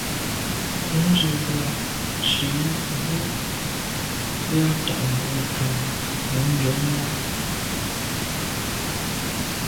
Ŋkrʉ̀n zə̃ bù à’ tsì bú bə́ á tà’ mbrò ŋkrʉ̀n nù nyɔ̌ŋ lá’.